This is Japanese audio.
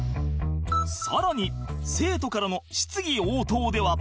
さらに生徒からの質疑応答では